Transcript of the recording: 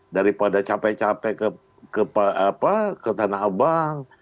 daripada capek capek ke tanah abang